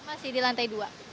masih di lantai dua